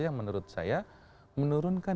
yang menurut saya menurunkan